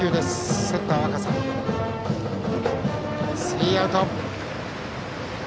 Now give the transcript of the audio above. スリーアウト。